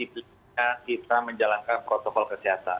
bukan disiplinnya kita menjalankan protokol kesehatan